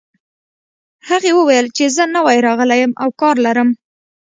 هغې وویل چې زه نوی راغلې یم او کار لرم